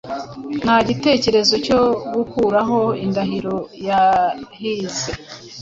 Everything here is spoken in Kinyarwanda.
Nta gitekerezo cyo gukuraho indahiro yahize